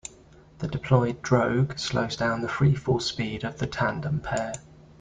The deployed drogue slows down the free-fall speed of the tandem pair.